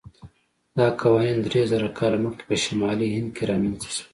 دا قوانین درېزره کاله مخکې په شمالي هند کې رامنځته شول.